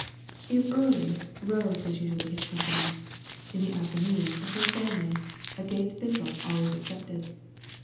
If early, Rose was usually his company; in the afternoon the whole family, Agate Bissell always excepted.